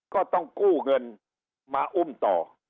ก็ต้องกู้เงินมาอุ้มต่อ